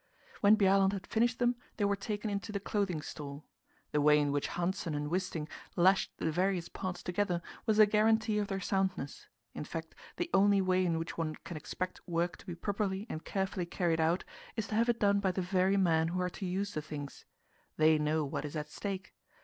When Bjaaland had finished them, they were taken into the "Clothing Store." The way in which Hanssen and Wisting lashed the various parts together was a guarantee of their soundness; in fact, the only way in which one can expect work to be properly and carefully carried out is to have it done by the very men who are to use the things. They know what is at stake.